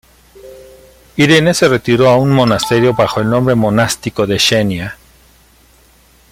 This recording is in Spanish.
Irene se retiró a un monasterio bajo el nombre monástico de Xenia.